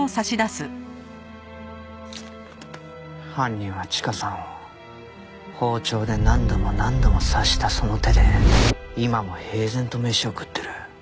犯人はチカさんを包丁で何度も何度も刺したその手で今も平然と飯を食ってる。